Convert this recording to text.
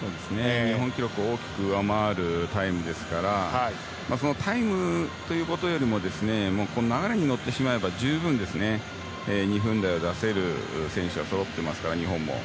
日本記録を大きく上回るタイムですからタイムということよりも流れに乗ってしまえば十分、２分台を出せる選手がそろっていますから日本も。